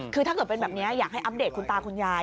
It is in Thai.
คือถ้าเกิดเป็นแบบนี้อยากให้อัปเดตคุณตาคุณยาย